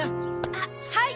あっはい！